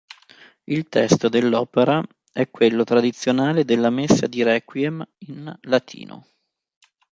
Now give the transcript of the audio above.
Il testo dell'opera è quello tradizionale della messa di requiem in latino.